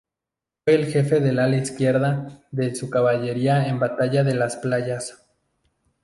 Fue el jefe del ala izquierda de su caballería en batalla de Las Playas.